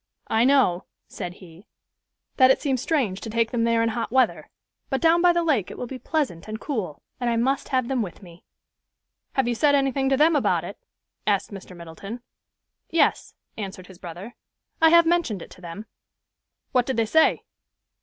"I know," said he, "that it seems strange to take them there in hot weather; but down by the lake it will be pleasant and cool, and I must have them with me." "Have you said anything to them about it?" asked Mr. Middleton. "Yes," answered his brother. "I have mentioned it to them." "What did they say?"